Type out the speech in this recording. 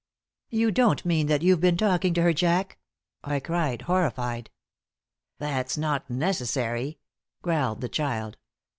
"You don't mean that you've been talking to her, Jack?" I cried, horrified. "That's not necessary," growled the child.